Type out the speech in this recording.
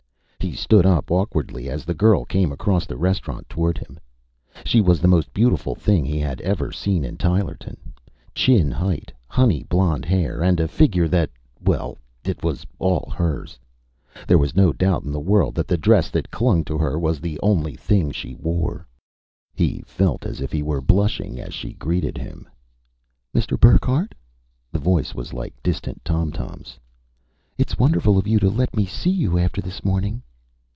He stood up awkwardly as the girl came across the restaurant toward him. She was the most beautiful thing he had ever seen in Tylerton. Chin height, honey blonde hair and a figure that well, it was all hers. There was no doubt in the world that the dress that clung to her was the only thing she wore. He felt as if he were blushing as she greeted him. "Mr. Burckhardt." The voice was like distant tomtoms. "It's wonderful of you to let me see you, after this morning."